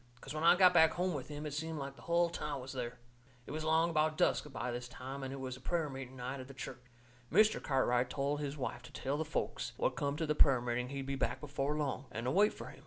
'Cause when I got back home with him it seemed like the hull town was there. It was along about dusk by this time, and it was a prayer meeting night at the church. Mr. Cartwright told his wife to tell the folks what come to the prayer meeting he'd be back before long, and to wait fur him.